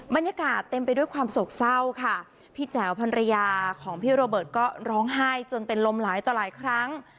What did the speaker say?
บรรยากาศเต็มไปด้วยความโศกเศร้าค่ะพี่แจ๋วภรรยาของพี่โรเบิร์ตก็ร้องไห้จนเป็นลมหลายต่อหลายครั้ง